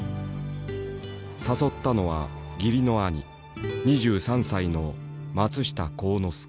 誘ったのは義理の兄２３歳の松下幸之助。